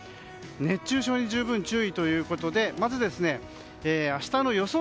熱中症に十分注意ということでまず、明日の予想